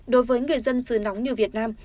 đối với người dân sư nóng như việt nam